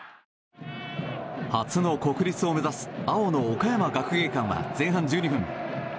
初の国立を目指す青の岡山学芸館は前半１２分。